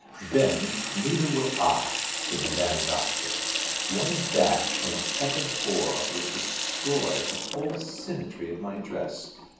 "Then neither will I," said Madame Goesler. "One dash from a peccant oar would destroy the whole symmetry of my dress.